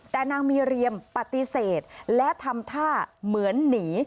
แต่นางมีเรียมปฏิเสธและทำท่าเหมือนหนี